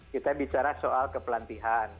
kita bicara soal kepelatihan